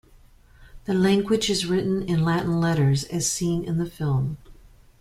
The language is written in Latin letters as seen in the film.